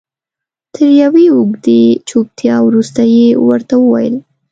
تر یوې اوږدې چوپتیا وروسته یې ورته وویل.